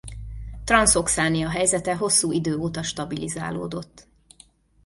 Transzoxánia helyzete hosszú idő óta stabilizálódott.